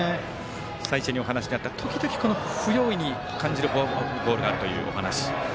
最初にお話のあった時々不用意に感じるフォアボールがあるというお話。